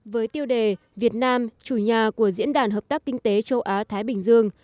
với tiêu đề việt nam chủ nhà của diễn đàn hợp tác kinh tế châu á thái bình dương